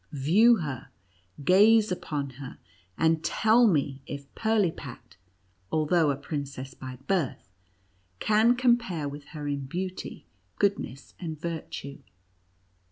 View her — gaze upon her, and tell me, if Pirlipat, although a princess by birth, can compare with her in beauty, goodness, and virtue